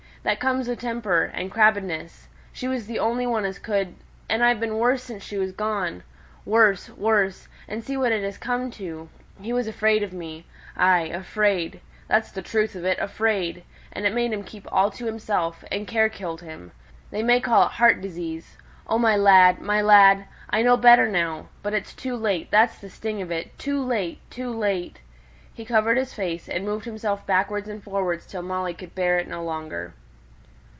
that comes o' temper, and crabbedness. She was the only one as could, and I've been worse since she was gone. Worse! worse! and see what it has come to! He was afraid of me ay afraid. That's the truth of it afraid. And it made him keep all to himself, and care killed him. They may call it heart disease O my lad, my lad, I know better now; but it's too late that's the sting of it too late, too late!" He covered his face, and moved himself backward and forward till Molly could bear it no longer.